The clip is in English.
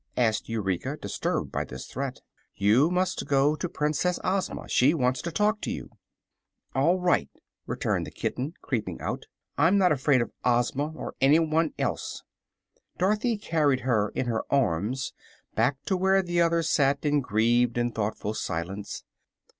asked Eureka, disturbed by this threat. "You must go to Princess Ozma. She wants to talk to you." "All right," returned the kitten, creeping out. "I'm not afraid of Ozma or anyone else." Dorothy carried her in her arms back to where the others sat in grieved and thoughtful silence.